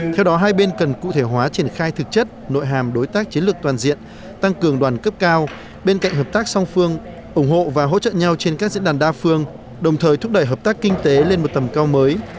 theo đó hai bên cần cụ thể hóa triển khai thực chất nội hàm đối tác chiến lược toàn diện tăng cường đoàn cấp cao bên cạnh hợp tác song phương ủng hộ và hỗ trợ nhau trên các diễn đàn đa phương đồng thời thúc đẩy hợp tác kinh tế lên một tầm cao mới